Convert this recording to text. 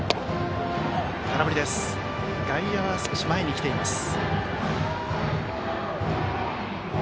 外野は少し前に来ています。